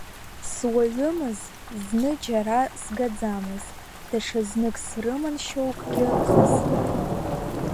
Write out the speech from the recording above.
Суаҩымыз, зны џьара сгаӡамыз, даҽазнык срыман шьоукгьы хыс.